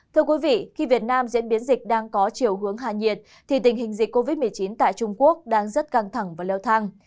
thưa quý vị khi việt nam diễn biến dịch đang có chiều hướng hạ nhiệt thì tình hình dịch covid một mươi chín tại trung quốc đang rất căng thẳng và leo thang